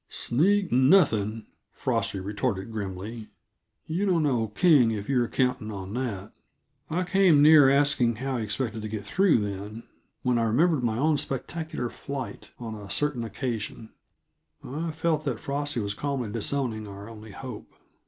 "Sneak nothing," Frosty retorted grimly. "You don't know King, if you're counting on that." I came near asking how he expected to get through, then; when I remembered my own spectacular flight, on a certain occasion, I felt that Frosty was calmly disowning our only hope.